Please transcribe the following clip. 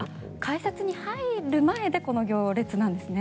改札に入る前でこの行列なんですね。